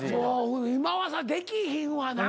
今はできひんわな。